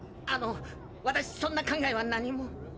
あの私そんな考えは何も。